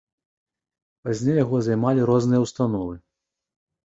Пазней яго займалі розныя ўстановы.